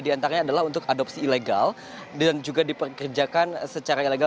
di antaranya adalah untuk adopsi ilegal dan juga diperkerjakan secara ilegal